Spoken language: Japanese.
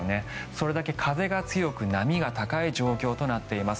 それだけ風が強く波が高い状況となっています。